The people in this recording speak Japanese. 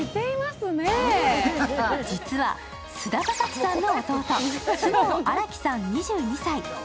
実は、菅田将暉さんの弟、菅生新樹さん２２歳。